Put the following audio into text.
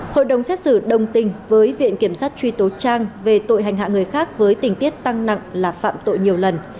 hội đồng xét xử đồng tình với viện kiểm sát truy tố trang về tội hành hạ người khác với tình tiết tăng nặng là phạm tội nhiều lần